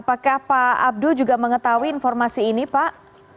apakah pak abdul juga mengetahui informasi ini pak